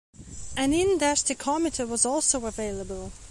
An in-dash tachometer was also available.